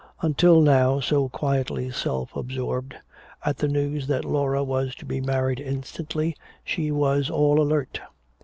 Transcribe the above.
Until now so quietly self absorbed, at the news that Laura was to be married instantly she was all alert.